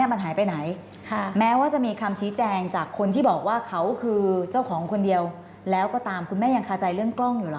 เรื่องกล้องอยู่หรือคะ